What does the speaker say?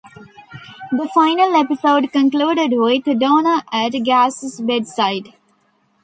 The final episode concluded with Donna at Gaz's bedside.